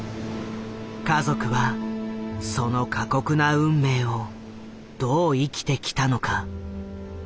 家族はその過酷な運命をどう生きてきたのか？